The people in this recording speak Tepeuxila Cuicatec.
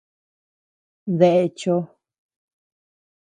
¿Dae cho?